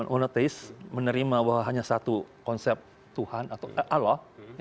unetize menerima bahwa hanya satu konsep tuhan atau allah